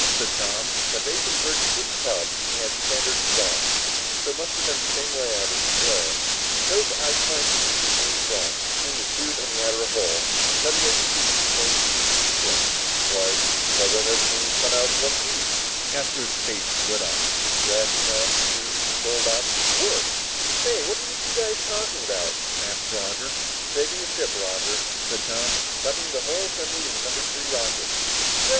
said Tom. "When they converted this tub, they had standard exhausts, so it must have the same layout as the Polaris. Suppose I climb in the main exhaust, between the tube and the outer hull, and cut away the cleats that hold the tube to the ship?" "Why, then everything would come out in one piece!" Astro's face lit up. "Reactant mass, tube, control box the works!" "Say, what are you two guys talking about?" asked Roger. "Saving a ship, Roger," said Tom. "Dumping the whole assembly of the number three rocket!"